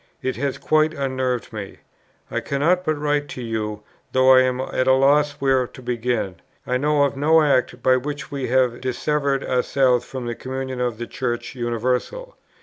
It has quite unnerved me.... I cannot but write to you, though I am at a loss where to begin.... I know of no act by which we have dissevered ourselves from the communion of the Church Universal....